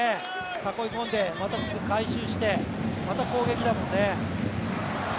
囲い込んで、すぐ回収してまた攻撃だもんね。